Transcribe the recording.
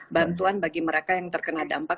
bantuan bagi mereka yang terkena dampak